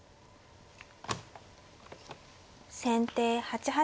先手８八角。